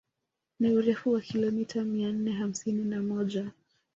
Ni urefu wa kilomita mia nne hamsini na moja